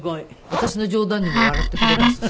私の冗談にも笑ってくれますし。